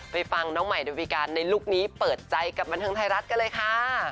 ฟังน้องใหม่ดาวิการในลุคนี้เปิดใจกับบันเทิงไทยรัฐกันเลยค่ะ